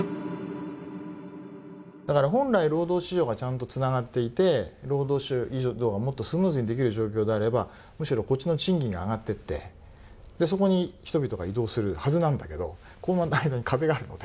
本来労働市場がちゃんとつながっていて労働移動がもっとスムーズにできる状況であればむしろこっちの賃金が上がっていってそこに人々が移動するはずなんだけどこの間に壁があるので。